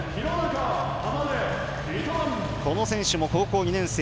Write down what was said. この選手も高校２年生。